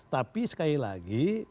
tapi sekali lagi